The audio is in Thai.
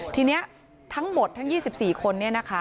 ทีนี้ทั้งหมดทั้ง๒๔คนนี้นะคะ